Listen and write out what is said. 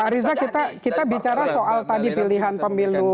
pak ariza kita bicara soal tadi pilihan pemilu